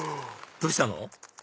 どうしたの？